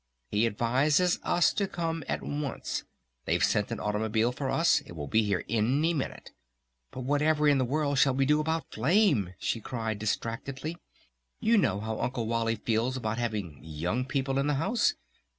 He advises us to come at once! They've sent an automobile for us! It will be here any minute!... But whatever in the world shall we do about Flame?" she cried distractedly. "You know how Uncle Wally feels about having young people in the house!